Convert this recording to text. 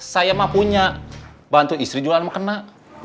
saya mah punya bantu istri jualan makanan